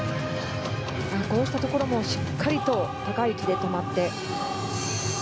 こうしたところもしっかりと高い位置で止まって。